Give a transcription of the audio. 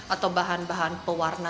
atau bahan bahan pewarna